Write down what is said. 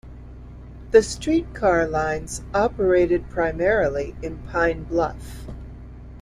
The street car lines operated primarily in Pine Bluff.